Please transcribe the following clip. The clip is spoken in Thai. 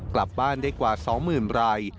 กลับบ้านได้กว่า๒๐๐๐ราย